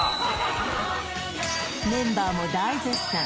メンバーも大絶賛！